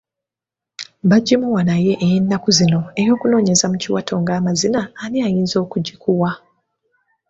Baagimuwa naye ey'ennaku zino ey'okunoonyeza mu kiwato ng'amazina ani ayinza okugikuwa?